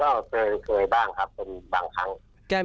ก็เคยบ้างครับเป็นบางครั้ง